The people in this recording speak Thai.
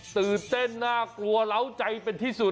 ตื่นเต้นน่ากลัวเหล้าใจเป็นที่สุด